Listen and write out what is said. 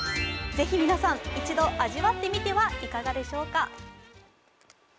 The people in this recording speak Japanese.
ぜひ皆さん、一度、味わってみてはいかがでしょうか？